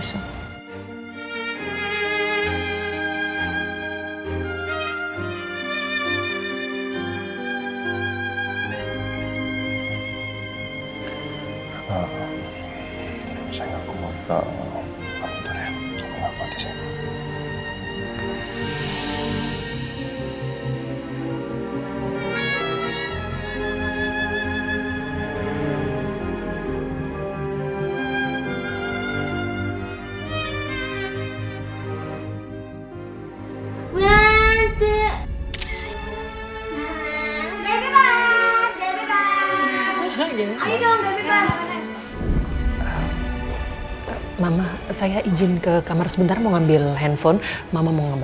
hehehe sehe ini semakin panjang